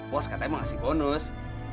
bos katanya mau ngasih bonus